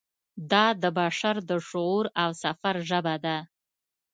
دا د بشر د شعور او سفر ژبه ده.